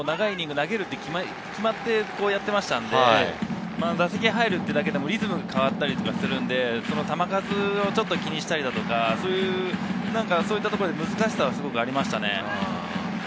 普段ＤＨでやっていると、長いイニング投げられると決まってやっていましたので、打席に入るだけでリズムが変わったりするので、球数をちょっと気にしたりとか、そういったところで難しさがありましたね。